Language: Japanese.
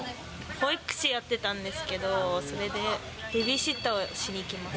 保育士やってたんですけど、それでベビーシッターをしに行きます。